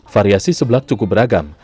variasi sebelak cukup beragam